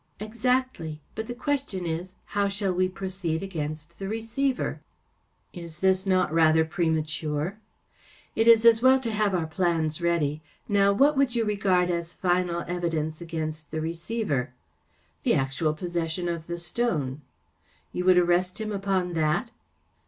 " Exactly. But the question is‚ÄĒhow shall we proceed against the receiver ?"" Is this not rather premature ?" "It is as well to have our plans ready. Now, what would you regard as final evidence against the receiver ?"" The actual possession of the stone." " You would arrest him upon that